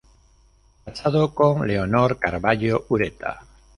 Casado con "Leonor Carvallo Ureta".